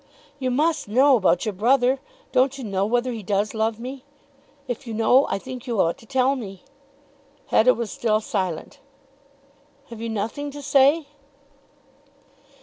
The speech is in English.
"You must know about your brother. Don't you know whether he does love me? If you know I think you ought to tell me." Hetta was still silent. "Have you nothing to say?"